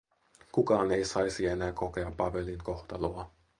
Kukaan ei saisi enää kokea Pavelin kohtaloa.